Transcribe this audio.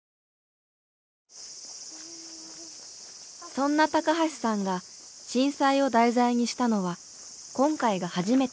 そんな橋さんが震災を題材にしたのは今回が初めて。